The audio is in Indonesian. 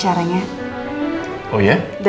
oh iya dan besok aku ada tes praktek